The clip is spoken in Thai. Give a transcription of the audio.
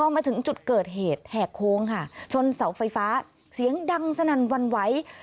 มาถึงจุดเกิดเหตุแหกโค้งค่ะชนเสาไฟฟ้าเสียงดังสนั่นวันไหว